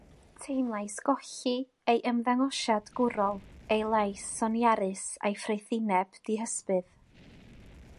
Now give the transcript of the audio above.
Teimlais golli ei ymddangosiad gwrol, ei lais soniarus a'i ffraethineb dihysbydd.